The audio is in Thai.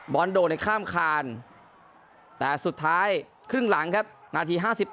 โดดในข้ามคานแต่สุดท้ายครึ่งหลังครับนาที๕๘